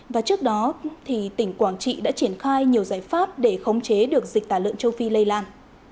và trước đó tỉnh quảng trị đã triển khai nhiều giải pháp để khống chế được dịch tả lợn châu phi lây lan